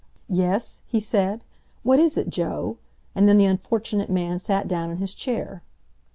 "Yes?" he said. "What is it, Joe?" and then the unfortunate man sat down in his chair.